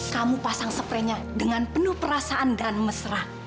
kamu pasang sprinnya dengan penuh perasaan dan mesra